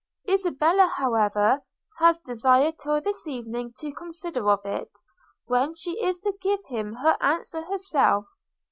Isabella, however, has desired till this evening to consider of it; when she is to give him her answer herself.